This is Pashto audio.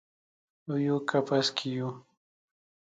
اویو کپس کې یو